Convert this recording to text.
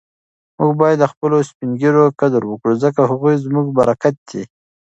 موږ باید د خپلو سپین ږیرو قدر وکړو ځکه هغوی زموږ برکت دی.